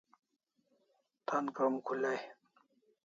Tan krom khulai